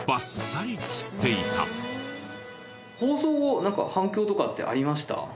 放送後なんか反響とかってありました？